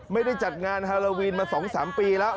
ไม่ได้จัดงานฮาโลวีนมา๒๓ปีแล้ว